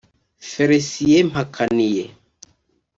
Felcien Mpakaniye